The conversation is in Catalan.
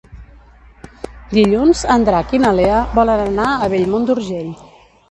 Dilluns en Drac i na Lea volen anar a Bellmunt d'Urgell.